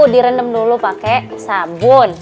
direndam dulu pake sabun